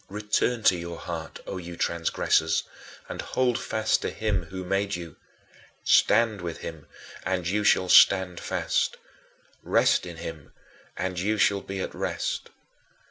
Return to your heart, O you transgressors, and hold fast to him who made you. Stand with him and you shall stand fast. Rest in him and you shall be at rest.